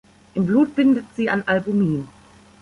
Im Blut bindet sie an Albumin.